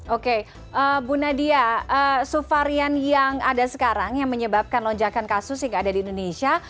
oke bu nadia subvarian yang ada sekarang yang menyebabkan lonjakan kasus yang ada di indonesia